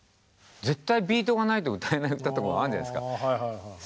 絶対ビートがないと歌えない歌とかもあるじゃないですか。